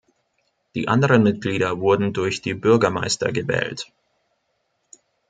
Die anderen Mitglieder wurden durch die Bürgermeister gewählt.